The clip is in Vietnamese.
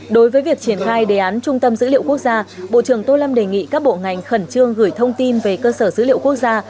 đối với việc triển khai đề án trung tâm dữ liệu quốc gia bộ trưởng tô lâm đề nghị các bộ ngành khẩn trương gửi thông tin về cơ sở dữ liệu quốc gia